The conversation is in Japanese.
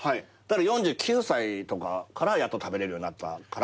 ４９歳とかからやっと食べれるようになったから。